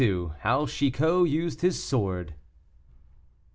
HOW CHICOT USED HIS SWORD.